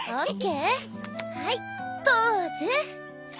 はいポーズ。